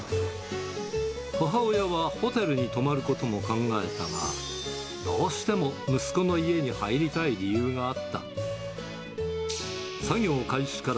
母親はホテルに泊まることも考えたが、どうしても息子の家に入りたい理由があった。